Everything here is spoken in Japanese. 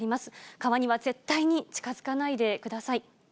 川には絶対に近づかないでください。